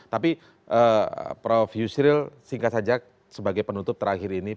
tapi prof yusril singkat saja sebagai penutup terakhir ini